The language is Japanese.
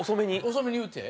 遅めに言うて？